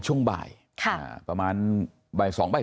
ทางคุณชัยธวัดก็บอกว่าการยื่นเรื่องแก้ไขมาตรวจสองเจน